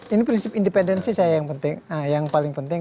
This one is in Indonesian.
ini prinsip independensi saya yang paling penting